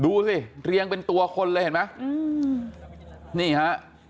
ดูสิเรียงเป็นตัวคนเลยเห็นไหมอืมนี่ฮะ